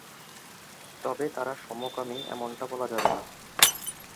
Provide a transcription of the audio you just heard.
তবে তারা সমকামী এমনটা বলা যাবে না।